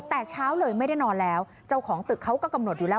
แต่เช้าเลยไม่ได้นอนแล้วเจ้าของตึกเขาก็กำหนดอยู่แล้ว